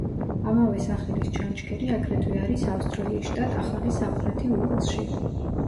ამავე სახელის ჩანჩქერი აგრეთვე არის ავსტრალიის შტატ ახალი სამხრეთი უელსში.